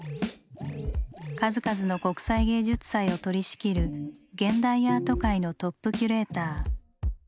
数々の国際芸術祭を取りしきる現代アート界のトップキュレーター。